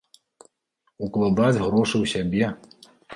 Укладаць грошы ў сябе!